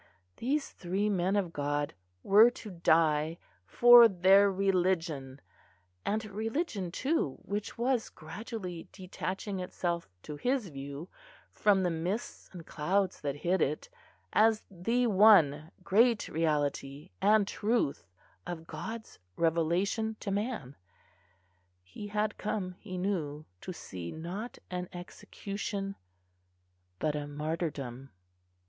These three men of God were to die for their religion and a religion too which was gradually detaching itself to his view from the mists and clouds that hid it, as the one great reality and truth of God's Revelation to man. He had come, he knew, to see not an execution but a martyrdom.